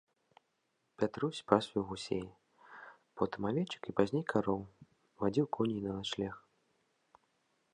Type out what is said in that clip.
Пятрусь пасвіў гусей, потым авечак і пазней кароў, вадзіў коней на начлег.